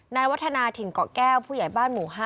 วัฒนาถิ่นเกาะแก้วผู้ใหญ่บ้านหมู่๕